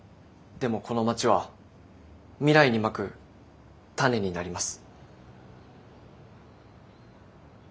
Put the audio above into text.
でもこの町は未来に撒く種になります。